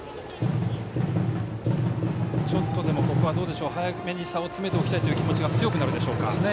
ちょっとでも早く点差を詰めておきたいという気持ちが強くなるでしょうか。